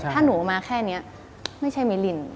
ถ้าหนูมาแค่นี้ไม่ใช่มิลิน